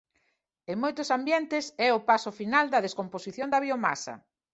En moitos ambientes é o paso final da descomposición da biomasa.